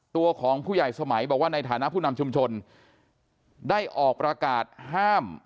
ตัวของผู้ใหญ่สมัยบอกว่าในฐานะผู้นำชุมชนได้ออกประกาศห้าม